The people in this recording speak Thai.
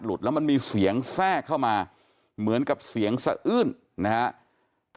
แล้วมันมีเสียงแทรกเข้ามาเหมือนกับเสียงสะอื้นนะครับ